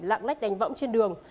lạng lách đánh võng trên đường